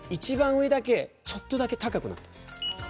上だけ、ちょっとだけ高くなっているんです。